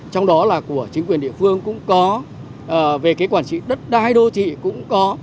trong đó là của chính quyền địa phương cũng có về cái quản trị đất đai đô thị cũng có